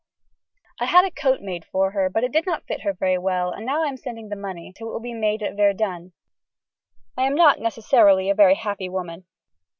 I had a coat made for her but it did not fit her very well and now I am sending the money so that it will be made at Verdun. I am not necessarily a very happy woman.